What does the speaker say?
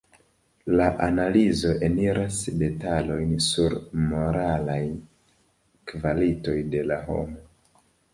La analizo eniras detalojn sur la moralaj kvalitoj de la homo.